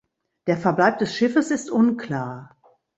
Der Verbleib des Schiffes ist unklar.